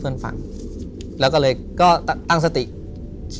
ถูกต้องไหมครับถูกต้องไหมครับ